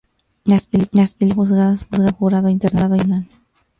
Las películas están juzgadas por un jurado internacional.